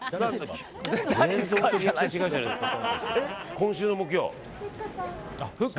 今週の木曜。